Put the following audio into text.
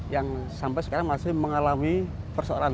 yang sampai sekarang masih mengalami persoalan